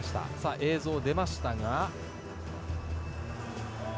映像が出ましたが。